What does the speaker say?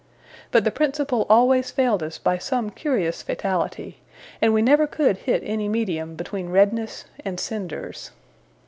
But the principle always failed us by some curious fatality, and we never could hit any medium between redness and cinders.